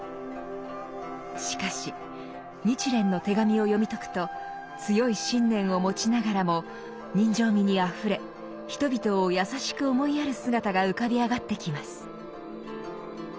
しかし「日蓮の手紙」を読み解くと強い信念を持ちながらも人情味にあふれ人々を優しく思いやる姿が浮かび上がってきます。